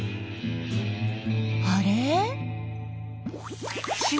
あれ？